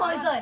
tới bế này